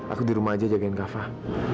aku di rumah aja jagain kak fah